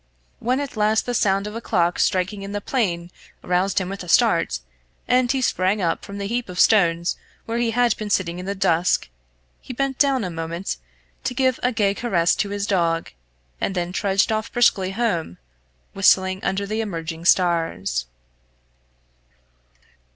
When at last the sound of a clock striking in the plain roused him with a start, and he sprang up from the heap of stones where he had been sitting in the dusk, he bent down a moment to give a gay caress to his dog, and then trudged off briskly home, whistling under the emerging stars.